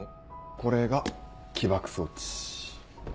これが起爆装置。